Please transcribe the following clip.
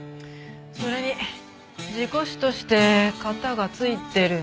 それに事故死として片が付いてるんですよね？